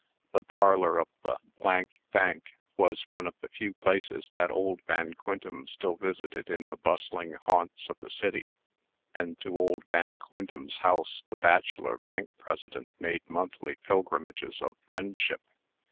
The parlor of the Bank was one of the few places that old Van Quintem still visited in the bustling haunts of the city; and to old Van Quintem's house the bachelor Bank President made monthly pilgrimages of friendship.